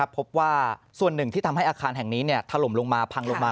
พบว่าส่วนหนึ่งที่ทำให้อาคารแห่งนี้ถล่มลงมาพังลงมา